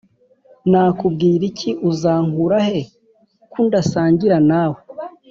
Nakubwiriki uzankurahehe kundasangira nawe